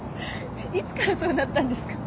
いつからそうなったんですか？